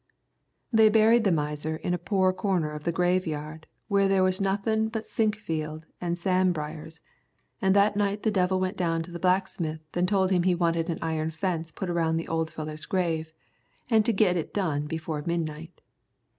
"They buried the miser in a poor corner of the graveyard where there was nothin' but sinkfield an' sand briars, an' that night the devil went down to the blacksmith an' told him he wanted an iron fence put around the old feller's grave, an' to git it done before midnight.